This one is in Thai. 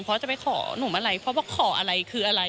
เพราะจะไปขอหนุ่มอะไรเพราะว่าขออะไรคืออะไร